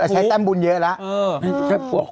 แต่ใช้แต้มบุญเยอะแล้ว